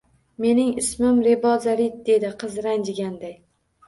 Mening ismim Reboza Rid, dedi qiz ranjiganday